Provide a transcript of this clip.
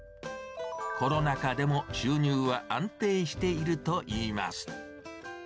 コロナ禍でも収入は安定しているといいます。